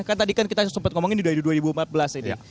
kan tadi kan kita sempat ngomongin di dua ribu empat belas ini ya